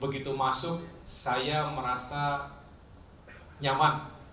begitu masuk saya merasa nyaman